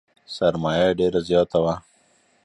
سرمایه یې ډېره زیاته وه .